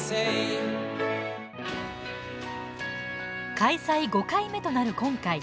開催５回目となる今回。